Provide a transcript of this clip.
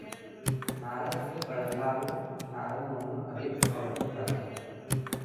नारद हे कळलावे नारद म्हणून अधिक ओळखले जातात.